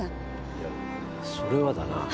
いやそれはだな。